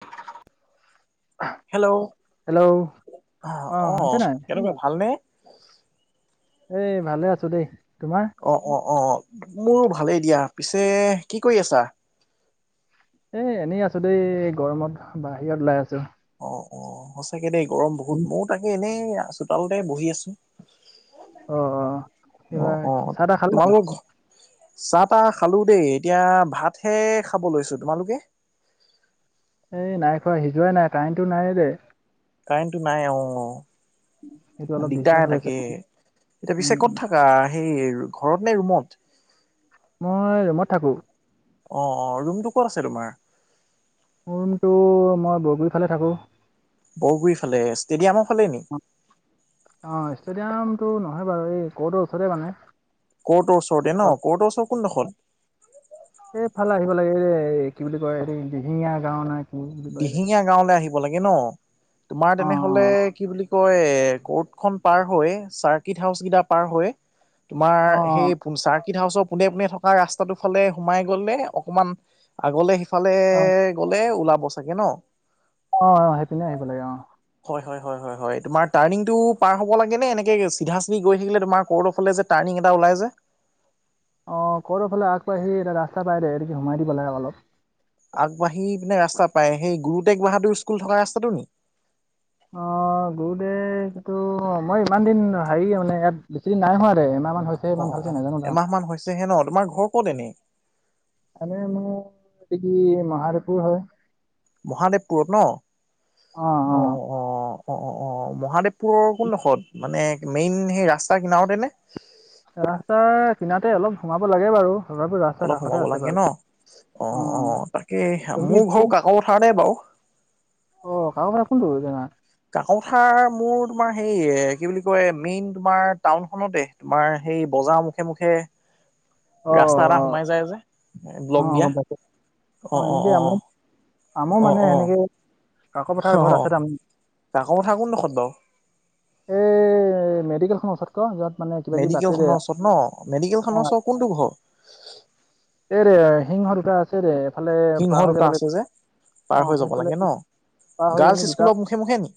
উ hello, hello শুনিছা অ' নাই কেনেকুৱা ভালনে? এ ভালে আছো দেই। তোমাৰ, অ অ' অ' মোৰো ভালেই দিয়া। পিছে কি কৰি আছা। এ এনেই আছো দেই। গৰমত বাহিৰত ওলাই আছো। অ' অ' সঁচাকে দেই গৰম বহুত। ময়ো তাকে এনেই চোতালতে বহি আছো। অ অ কিবা অ' অ' চাহ তাহ খালা তোমালোকৰ ঘ চাহ তাহ খালো দেই। এতিয়া ভাতহে খাব লৈছো তোমালোকে। এই নাই খোৱা সিজোৱাই নাই কাৰেন্টটো নাই যে কাৰেন্টটো নাই অ' সেইটো অলপ ডিষ্টাৰ্ব দিগদাৰ হৈ আছে তাকে। এতিয়া পিছে ক'ত উম, থাকা সেই ঘৰত নে ৰুমত। মই ৰমত থাকোঁ। অ' ৰুমটো ক'ত আছে তোমাৰ। মোৰ ৰুমটো। মই বৰগুৰ ফালে থাকোঁ। অগুৰি ফালে ষ্টেডিয়ামৰ ফালে নেকি অ' অ' ষ্টেডিয়ামটো নহয় বাৰু এই কটৰ ওচৰতে মানে ক'ৰ্টৰ ওচৰতে ন। কৰ্টৰ ওচৰত কোনদোখত এইফালে আহিব লাগে কি বুলি কয় এই দিহিঙীয়া গাও না কি বুলি কয় দিহিঙীয়া গাঁওলৈ আহিব লাগে ন। তোমাৰ অ তেনেহলে কি বুলি, কয় কৰ্ট খন পাৰ হৈ চাৰ্কিট হাউচ কেইটা পাৰ হৈ তোমাৰ অ সেই, অ চাৰ্কিট হাউচৰ পোনে পোনে থকা ৰাস্তাটো ফালে সোমাই গ'লে অকমান। আগলে সিফালে গলে ওলাব চাগে ন? অ অ সেইপিনে আহিব লাগে। অ হয়-হয়-হয়-হয়-হয় তোমাৰ টাৰ্ণিংটো পাৰ হ'ব লাগেনে এনেকে চিধা চিধি গৈ থাকিলে তোমাৰ কৰ্ডৰ ফলে যে টাৰ্ণি এটা ওলাই যে। অ কৰ্ডৰ ফালে আগবাঢ়ি আহি এটা ৰাস্ত পাই দে, এদেগি সোমাই দিব লাগে অলপ। আগবাঢ়ি ৰাস্তা পায়, সেই গুৰু টেগ বাহাদুৰ স্কুল থকা ৰাস্তাটো নেকি? অ গুৰু দে টু মই ইমান দিন হেৰি মানে ইয়াত বেছি দিন নাই হোৱা দে, এমাহমান হৈছে। অ ইমান অ ভালকৈ নাজানো তাৰ এমাহ মান হৈছেহে ন, তোমাৰ ঘৰ ক'ত এনেই? মানে মোৰ এটো কি মহাদেৱপুৰ হয়। মহাদেৱপুৰ ন। অ অ। অ, অ, অ অ অ মহাদেৱপুৰৰ কোনডোখৰত? মানে মেইন সেই ৰাস্তা কিনাৰেতনে? ৰাস্তা কিনাৰতে অলপ সোমাব লাগে বাৰু। তথাপিও ৰাস্তাৰ অলপ কাষতে সোমাব আছে লাগে বাৰু ন। অ অ অঁ তাকে তুমি মোৰ ঘৰ কাকো পথাৰতে বাৰু। অ কাকো পথাৰ কোনোটো জাগা? কাকো পথাৰ মোৰ তোমাৰ হে কি বুলি কয় মেইন তোমাৰ টাউনখনতে। তোমাৰ সেই বজাৰৰ মুখে মুখে ৰাস্তা এটা সোমাই যায় যে। অ ব্লক দিয়া গম পাইছো, অ অ এনেকৈ অ আমো আমো অ অ মানে এনেকে অ কাকো পথাৰ ঘৰত আছে তাৰমান। কাকো পথাৰ কোন দখৰত বাৰু? এই মেডিকেলখনৰ ওচৰত যত মানে কিবা কিবি পাতে মেডিকেল দে খনৰ ওচৰত ন, মেডিকেল অঁ খনৰ ওচৰত কোনটো ঘৰ? এ ৰে সিং দুটা আছে ৰে এইফালে সিংহ পাৰ হৈ দুটা যাব আছে লাগিব যে পাৰ হৈ যাব লাগে ন, আমি গাৰ্লছ দুটা স্কুলৰ মুখে মুখে নেকি?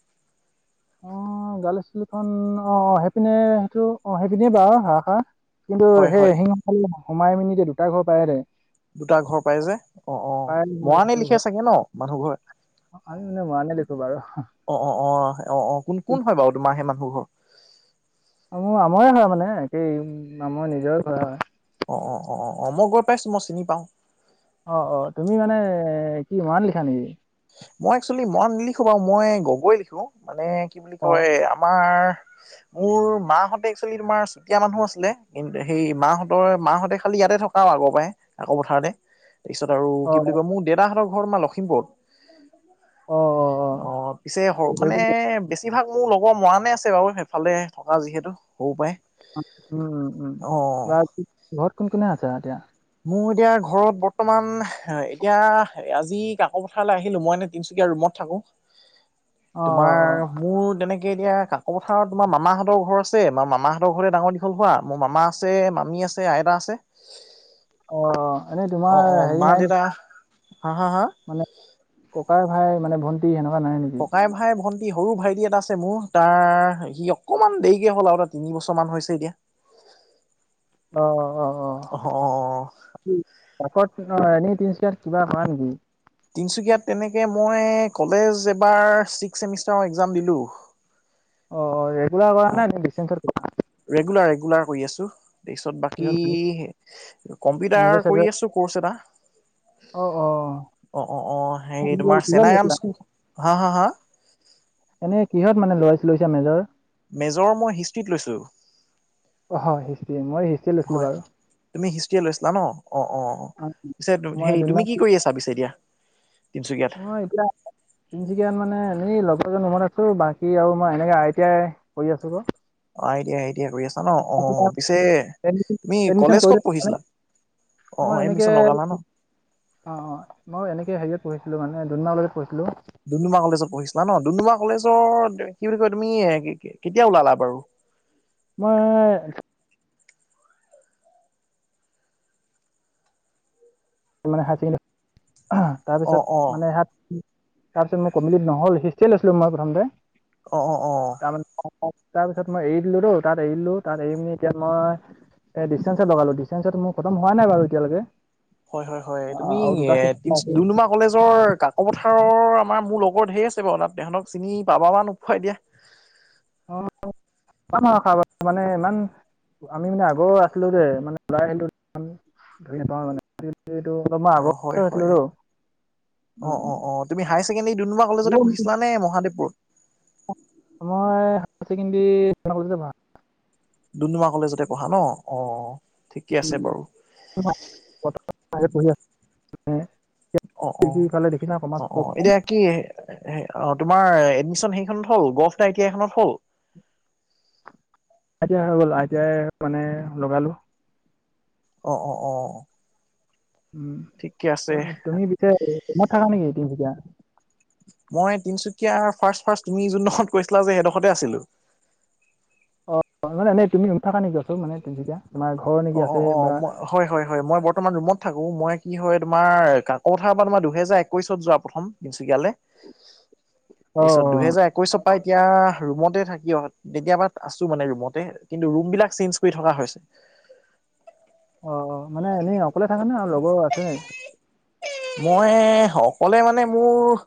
অ গাৰ্ল স্কুলখন আহ অ সেইপিনে সেইটো অ সেইপিনে বাৰু [unintelligible] কিন্তু হয় সেই হয় শিং- সোমাই মেলি যে দুটা ঘৰ পায় যে দুটা ঘৰ পাই যে, অ অ মৰানী সেইটো ঘৰ লিখে চাগে ন মানুহ ঘৰ? আমি মানে মোৰাণী লিখো বাৰু। অ অ অ অ অ কোন কোন হয় বাৰু তোমাৰ সেই মানুহ ঘৰ? অ মোৰ আমৈ হয় মানে, একেই মোৰ নিজৰে ঘৰ হয়। অ-অ-অ-অ-অ মই গৈ পাইছো মই চিনি পাওঁ। অ অ তুমি মানে কি মৰাণ লিখা নেকি? মই একচৱেলি মৰাণ নিলিখো বাৰু মই গগৈ লিখো মানে কি বুলি অ কয় আমাৰ মোৰ মাহঁতে একচুৱেলি তোমাৰ চুতীয়া মানুহ আছিলে। কিন্তু সেই মাহঁতৰ মাহঁতে খালি ইয়াতে থকা আগৰ পাই কাকো পথাৰতে তাৰপিছত আৰু অ কি বুলি কয় মোৰ দেউেতাহঁতৰ ঘৰত আমাৰ লখিমপুৰত। অ পিছে সৰু মানে সেইটো বে বেছিভাগ মোৰ লগৰ মৰাণে আছে বাৰু সেইফালে থকা যিহেতু সৰুৰ পাৰে। উম উম উম বাৰু ঘৰ কোন কোনে আছে এতিয়া? মোৰ এতিয়া ঘৰত বৰ্তমান এতিয়া আজি কাকো পথাৰলৈ আহিলো। মই এনে তিনচুকীয়া ৰুমত থাকো। অ অ অ তোমাৰ মোৰ তেনেকে এতিয়া কা কাকো পথাৰত তোমাৰ মামাহঁতৰ ঘৰ আছে, মাৰ মামাহঁতৰ ঘৰ ডাঙৰ দীঘল হোৱা। মোৰ মামা আছে, মামী আছে, আইতা আছে। অ এনেই অ তোমাৰ অ হেৰি মা নাই নে দেউতা হা? হা? হা? মানে ককাই-ভাই মানে ভন্তি সেনেকা নাই নেকি? ককাই-ভাই ভণ্ট সৰু ভাইটি এটা আছে মোৰ, তাৰ সি অকনমান দেৰিকে হ'ল আৰু এটা তিনি বছৰ মান হৈছে এতিয়া। অ', অ'। কাষত অ', এনে [unintelligible] কিবা পা নেকি। তিনিচুকীয়াত তেনেকৈ মই কলেজ এবাৰ ছিক্স চেমিষ্টাৰৰ এক্সাম দিলোঁ। অ', ৰেগুলাৰ হোৱা নাই ডিচটেন্স ৰেগুলাৰ ৰেগুলাৰ কৰি আছোঁ। তাৰপিছত কিহত তুমি বাকী মেজৰ কম্পিউটাৰ চেজৰ কৰি আছো ক'ৰ্চ এটা। অ', অ', অ', অ', অ', হে তোমাৰ কিহত চেনাইৰাম লৈছিলা? স্কুল হা হা এনে কিহত মানে লোইছ লৈছা মেজৰ। মেজৰ মই হিষ্ট্ৰীত লৈছো। অহ হিষ্ট্ৰী মই হিষ্ট্ৰীয়ে লৈছিলো হয় বাৰু। তুমি হিষ্ট্ৰীয়ে লৈছিলা ন অ', অ', অ', পিছে মই হেৰি দুদিনমান তুমি কি কৰি আছা পিছে এতিয়া? তিনচুকীয়াত অহ এপিলা তিনচুকীয়ানত মানে এনেই লগৰজন ৰুমত আছো বাকী আৰু মই এনেকে আই টি আই কৰি আছো অ', আ টি আই আ টি আই কৰি আছা ন অ', পিছে এডমিচন তুমি এডমিচন কলেজ কৰি ক'ত পঢ়িছিলা। অ', মই অ', এনেকে এডমিচন লগালা ন। অ', অ', মই এনেকে হেৰিয়ত পঢ়িছিলো মানে দুোনমাৰলৈ লগত পঢ়িছিলো। ডুমডুমা কলেজত পঢ়িছিলা ন ডুমডুমা কলেজৰ কি বুলি কয় তুমি এ কেতিয়া ওলালা বাৰু? তোমাৰ মানে হেডী অ অ তাৰপিছত মানে হাত তাৰপিছ মোৰ কম্লিট নহ'ল হিষ্ট্ৰী লৈছিলোঁ মই প্ৰথতে অ', অ', অ' তাৰমানে তাৰপিছত মই এৰি দিলো তাত এৰি দিলো তাত এৰি পিনি এতিয়া মই এই ডিচটেন্সত লগালো ডিচটেন্সত মোৰ খটম হোৱাই নাই বাৰু এতিয়ালৈকে হয়, হয়, হয় তুমি আৰু দুটা এ তি চেমিষ্টাৰ আছে দুম দুমা কলেজৰ কাক পথাৰৰ আমাৰ মোৰ লগৰ ঢেৰ আছে বাৰু তাত তেহঁতক চিনি পাবা বা নোপোৱা এতিয়া। অ', [unintelligible] মানে ইমান আমি মানে আগৰ আছিলো যে মানে ওলাই আহিলো ধুকি নাপাওঁ মানে এইটো অলপমান অ আগত হয় হয় হৈছিলোটো অ', অ', তুমি হায়ৰ ছেকেণ্ডাৰী দুুম দুমা কলেজতে পঢ়িছিলাে নে মহাদেৱপুৰ? মই হাইাৰ চেকেণ্ডেৰী [unintelligible] কলেজতে পঢ়া। দুম দুমা কলেজতে পঢ়া ন অ', ঠিকে আছে বাৰু [unintelligible] পঢ়ি আছ? অ অ ইফালে দেখিছা অ কমাৰ্চ অ কলেজ খন। এতিয়া কি অ, ' তোমাৰ এডমিশন সেইখনত হ'ল গল্ফ টি আই টি আই খনত হ'ল? আই টি আইৰ হৈ গ'ল আই টি আই মানে লগালো। অ', অ', অ' ঠিকে আছে উম' তুমি পিছে ৰুমত থাকা নেকি তিনিচুকীয়া? মই তিনচুকীয়া ফাৰ্ষ্ট ফাৰ্ষ্ট তুমি যোনডোখৰত কৈছিলা যে সেইডোখৰতে আছিলো। অ', মানে তুমি ৰুত থাকা ওচৰত নেকি তিনিচুকীয়া? তোমাৰ ঘৰ? নেকি অ', আছে অ', অ' বা মই হয়, হয়, হয় মই বৰ্তমান ৰুমত থাকো মই কি হয় তোমাৰ কাকথাৰ পৰা তোমাৰ দুহেজাৰ একৈশত যোৱা প্ৰথম তিনচুকীয়ালৈ অ অ তাৰপিছত দুহেজাৰ এক কৈছ পাই এতিয়া ৰুমতে থাকি অ', তেতিয়াবা আছো মানে ৰুমতে কিন্তু ৰুম বিলাক চেঞ্জ কৰি থকা হৈছে। অ', মানে এনেই অকলে থাকে নে আৰু লগৰো আছে? [unintelligible] মই অকলে মানে মোৰ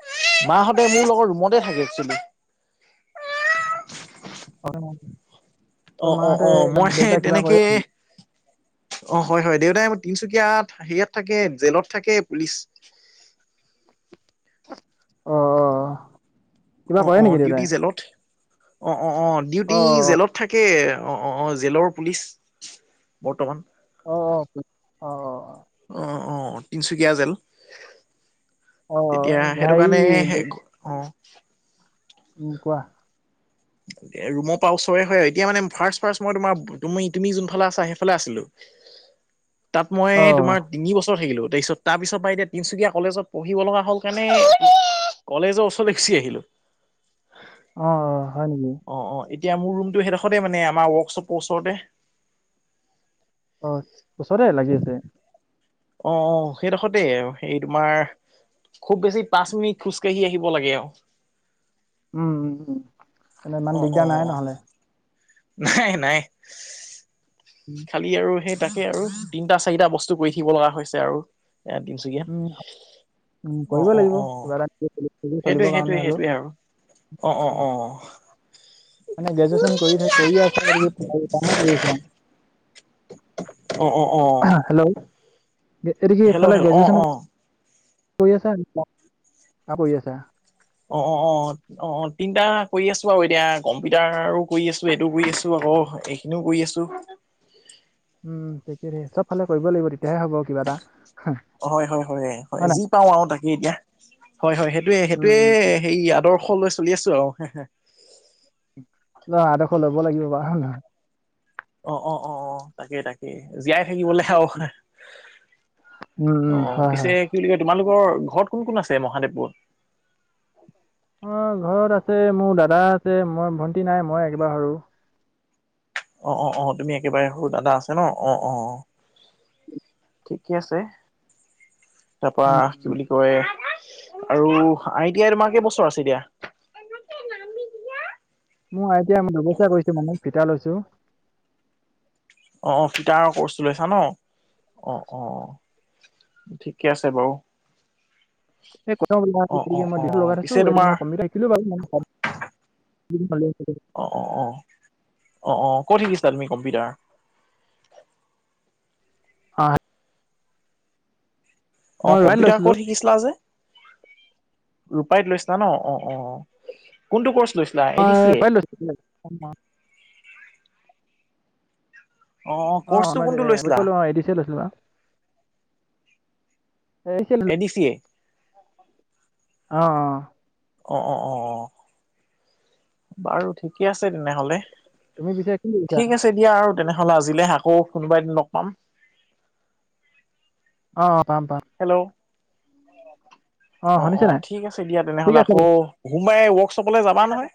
মাহঁতে মোৰ লগৰ ৰুমতে থাকে একচুৱেলী। [unintelligible] ত অ', অ', মাহঁতে অ, ' মই সেই দেউতাই কিবা কৰে তেনেকে নেকি অ' হয় হয় দেউতাই তিনচুকীয়া হেৰিয়াত থাকে জেলত থাকে পুলিচ অ', অ' কিবা অ', কৰে অ', নেকি ডিউটি দেউতাই জেলত অ', অ', অ', ডিউটি জেলত থাকে অ', অ', অ', জেলৰ পুলিচ বৰ্তমান। অ', অ', অ অ অ অ', অ', তিনিচুকীয়া জেল অ অ তেতিয়া অ, সেইটো হেৰি কাৰণে দে- অ' উম, কোৱা ৰুমৰ পৰা ওচৰে হয় আৰু এতিয়া মানে ফাৰ্ষ্ট ফাৰ্ষ্ট মই তোমাৰ তুমি তুমি যোনফালে আছা সেইফালে আছিলো তাত অ মই তোমাৰ তিনি বছৰ থাকিলো তাৰপিছত তাৰপিছৰ পৰা এতিয়া তিনচুকীয়া কলেজত পঢ়িব লগা হ'ল কাৰণে কলেজৰ ওচৰলৈ গুচি আহিলো। অ', অ', হয় নিকি? অ', অ', এতিয়া মোৰ ৰুমটো সেইডখৰতে মানে আমাৰ ৱৰ্কশ্বপৰ ওচৰতে। অ', ওচৰতে লাগি আছে। অ', অ', সেইডখৰতেই এই তোমাৰ খুব বেছি পাঁচ মিনিট খোজকাঢ়ি আহিব লাগে আৰু উম', উম, উম, তেনে ইমান অ', দিগদাৰ অ', নাই অ নহ'লে। নাই নাই উম খালি আৰু সেই তাকে আৰু তিনটা চাৰিটা বস্তু কৰি থাকিব লগা হৈছে আৰু এয়া তিনচুকীয়া উম, উম, কৰিব লাগিব অ কিবা এটা সোৰ সেইটোৱে চলিবৰ সেইটোৱে কাৰণে হ'লও সেইটোৱে আৰু অ অ অ মানে গ্ৰেজুৱেচন কৰি থ কৰি আছে কাম কৰি অ', অ', অ', হেল্ল' এইটো হেল্ল' কিফালে হেল্ল' অ গ্ৰেজুৱেশচন অ কৰি আছা কৰি আছা অ', অ', অ', অ', অ', তিনটা কৰি আছো আৰু এতিয়া কম্পিউটাৰো কৰি আছো এইটো কৰি আছো আকৌ কিনো কৰি আছোঁ? উম, তাকে চব ফালে কৰিব লাগিব তেতিয়াহে হ'ব কিবা এটা হয় - হয় - হয় - হয় যি পাওঁ আৰু তাকে এতিয়া। হয় - হয় সেইটোয়ে - উম সেইটোয়ে উম হে আদৰ্শ লৈ চলি আছো আৰু লোৱা আদৰ্শ লব লাগিব বাৰু হয় নহয়? অ', অ', অ', অ', তাকে তাকে এ জীয়াই থাকিবলৈ আৰু উম উম অ', হয় পিছে হয় কি বুলি কৈ তোমালোকৰ ঘৰত কোন কোন আছে মহাদেৱপুৰত? অ', ঘৰত আছে মোৰ দাদা আছে মই ভণ্টি নাই মই একেবাৰ সৰু। অ', অ', অ', তুমি একেবাৰে সৰু দাদা আছে ন অ', অ ', ঠিকে আছে তাৰপৰা উম কি উম। বুলি কয় আৰু আইতি আই তোমাৰ কেই বছৰ আছে এতিয়া? মোৰ আইতি আই দুবছৰ কৰিছোঁ মানে ফিটা লৈছো। অ', অ', ফিটাৰৰ কৰ্চটো লৈছা ন' অ', অ', ঠিকে আছে বাৰু। [unintelligible] অ' অ' অ' লগাই থছো পিছে তোমাৰ মই কম্পিউটাৰ [unintelligible] বাৰু [unintelligible] অ', অ', অ', অ', অ', ক'ত শিকিছিলা তুমি কম্পিউটাৰ? [inaudible] অ', মই ৰয়েল কম্পিউটাৰ লৈছিলো ক'ত শিকিছিলা যে? ৰূপাইত লৈছিলা ন' অ', অ', কোনটো কৰ্চ লৈছিলা এ মই দি চি এ? [unintelligible] অ' কৰ্চটো বাদে কোনটো এ, লৈছিলা? ক'ৰ্চটো এ ডী চে লৈছিল ন'? এ এ ডি চি এ? অ', অ'। অ', অ', অ'। বাৰু ঠিকে আছে তেনেহ'লে। তুমি পিছে কি শিকিছা? ঠিক আছে দিয়া আৰু তেনেহ'লে আজিলে আকৌ কোনোবা এদিন ল'গ পাম। অ', অ' পাম পাম। হেল্ল'। অ', শুনিছা অ' নাই? ঠিক আছে দিয়া ঠিক তেনেহ'লে আছে আকৌ সোমবাৰে ৱৰ্কশ্বপলৈ যাবা নহয়?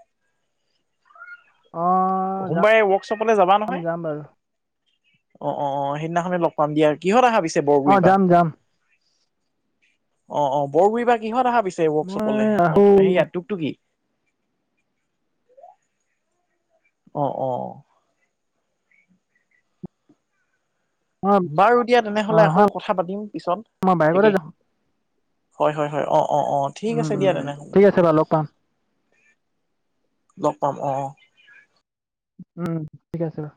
অ' যাম সোমবাৰে ৱৰ্কশ্বপলে যাবা নহয়? যাম বাৰু অ', অ', অ' সেইদিনাখনে লগ পাম দিয়া। কিহঁত আহা পিছে অ', বৰগুৰিৰপৰা? যাম যাম অ', অ' বৰগোৰিৰপা কিহত আহা পিছে ৱৰ্কশ্বপলে? মই অ' আহো সেয়া টোকটোকি। অ', অ'। অ', বাৰু দিয়া তেনেহ'লে আকৌ হয় কথা পাতিম মই পিছত বাইকতে যাওঁ একেইখিনি। হয় হয় হয়। অ', অ', অ'। ঠিক উম, আছে উম, দিয়া উম, ঠিক আছে বাৰু তেনেহ'লে। লগ পাম লগ পাম অ', অ'। উম, ঠিক আছে বাৰু।